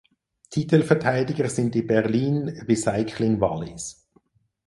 Titelverteidiger sind die Berlin Recycling Volleys.